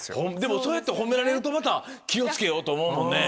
そうやって褒められるとまた気を付けようと思うもんね。